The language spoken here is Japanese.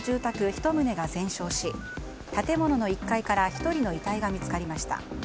１棟が全焼し建物の１階から１人の遺体が見つかりました。